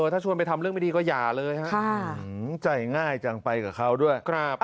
ถ้าชวนไปทำเรื่องไม่ดีก็อย่าเลยฮะใจง่ายจังไปกับเขาด้วย